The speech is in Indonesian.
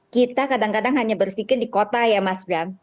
kita kadang kadang hanya berpikir di kota ya mas bram